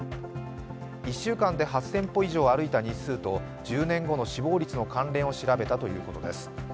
１週間で８０００歩以上歩いた日数と１０年後の死亡率の関連を調べたということです。